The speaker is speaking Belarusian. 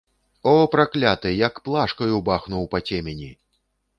О, пракляты, як плашкаю бахнуў па цемені.